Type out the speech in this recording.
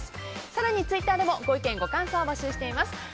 更にツイッターでもご意見、ご感想を募集します。